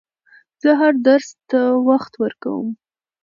زه هر درس ته وخت ورکووم.